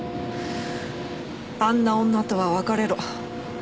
「あんな女とは別れろ」